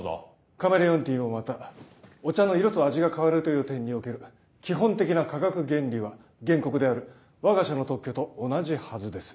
カメレオンティーもまた「お茶の色と味が変わる」という点における基本的な化学原理は原告であるわが社の特許と同じはずです。